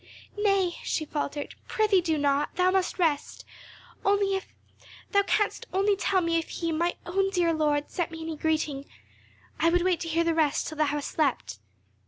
"Nay," she faltered, "prithee do not; thou must rest. Only if—if thou canst only tell me if he, my own dear lord, sent me any greeting, I would wait to hear the rest till thou hast slept."